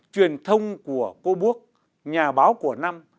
truyền thông của cô bước nhà báo của năm